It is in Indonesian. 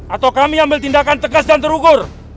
atau kami ambil tindakan tegas dan terukur